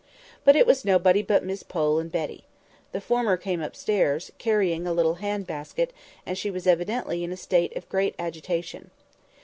But it was nobody but Miss Pole and Betty. The former came upstairs, carrying a little hand basket, and she was evidently in a state of great agitation.